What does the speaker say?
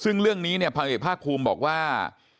ซึ่งเรื่องเนี้ยภาคภูมิบอกว่า